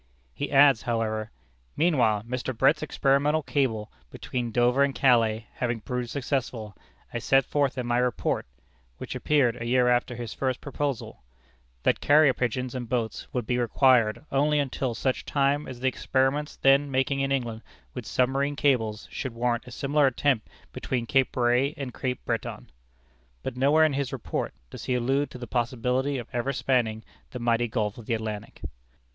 He adds however: "Meanwhile Mr. Brett's experimental cable between Dover and Calais having proved successful, I set forth in my report, [which appeared a year after his first proposal], that 'carrier pigeons and boats would be required only until such time as the experiments then making in England with submarine cables should warrant a similar attempt between Cape Ray and Cape Breton.'" But nowhere in his report does he allude to the possibility of ever spanning the mighty gulf of the Atlantic.